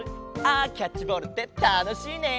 あキャッチボールってたのしいね。